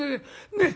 ねっ？